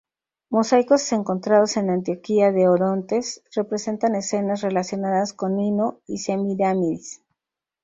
Mosaicos encontrados en Antioquía de Orontes representan escenas relacionadas con Nino y Semíramis.